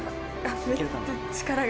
あっめっちゃ力が。